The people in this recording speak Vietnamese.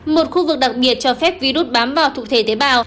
một khu vực đặc biệt cho phép virus bám vào thực thể tế bào